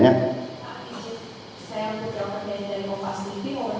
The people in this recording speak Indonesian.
saya mau jawab pertanyaan dari pak sendiri